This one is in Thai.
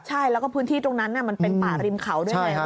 ใช่แล้วก็พื้นที่ตรงนั้นมันเป็นป่าริมเขาด้วยไง